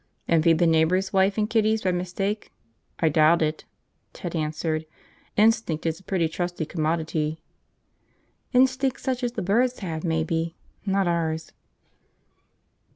"And feed the neighbors' wife and kiddies by mistake? I doubt it," Ted answered. "Instinct is a pretty trusty commodity." "Instinct such as the birds have, maybe. Not ours."